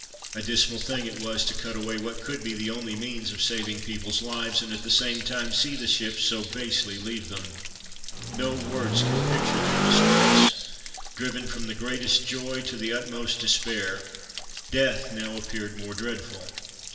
A dismal thing it was to cut away what could be the only means of saving the people's lives, and at the same time see the ships so basely leave them. No words can picture their distress; driven from the greatest joy to the utmost despair, death now appeared more dreadful.